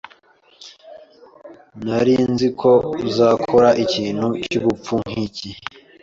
Nari nzi ko uzakora ikintu cyubupfu nkiki.